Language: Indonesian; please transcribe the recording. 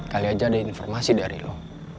kali aja ada informasi dari lo